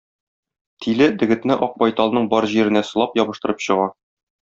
Тиле дегетне Ак байталның бар җиренә сылап, ябыштырып чыга.